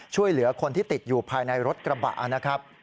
ช่วยเหลือคนที่ติดอยู่ภายในรถกระบะนะครับ